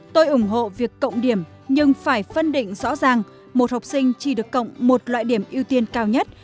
tôi ủng hộ việc cộng điểm nhưng phải phân định rõ ràng một học sinh chỉ được cộng một loại điểm ưu tiên cao nhất